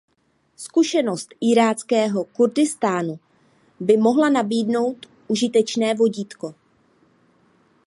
Zkušenost iráckého Kurdistánu by mohla nabídnout užitečné vodítko.